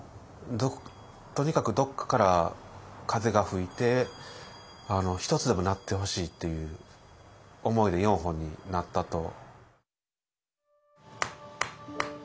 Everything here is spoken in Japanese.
とにかくどっかから風が吹いて１つでも鳴ってほしいっていう思いで４本になったと。